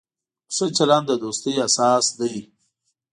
ښه چلند د دوستۍ اساس دی.